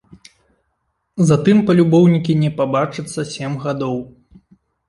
Затым палюбоўнікі не пабачацца сем гадоў.